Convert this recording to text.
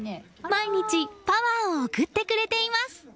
毎日パワーを送ってくれています。